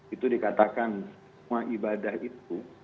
itu dikatakan semua ibadah itu